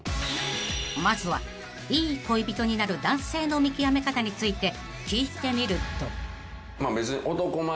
［まずはいい恋人になる男性の見極め方について聞いてみると］